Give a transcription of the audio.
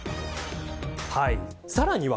さらには